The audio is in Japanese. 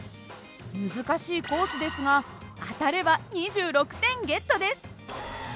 難しいコースですが当たれば２６点ゲットです。